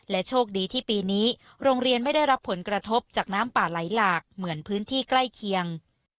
โชคดีที่ปีนี้โรงเรียนไม่ได้รับผลกระทบจากน้ำป่าไหลหลากเหมือนพื้นที่ใกล้เคียง